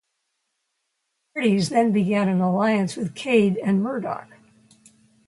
The Hardys then began an alliance with Cade and Murdoch.